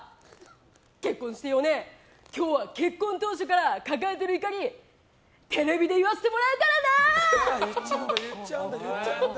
結婚して４年今日は結婚当初から抱えている怒りテレビで言わせてもらうからな！